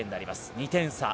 ２点差。